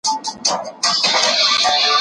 دوه جمع درې؛ پنځه کېږي.